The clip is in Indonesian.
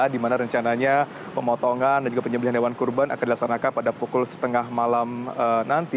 di mana rencananya pemotongan dan juga penyembelian hewan kurban akan dilaksanakan pada pukul setengah malam nanti